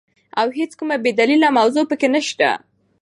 او هيڅ کومه بي دليله موضوع په کي نسته،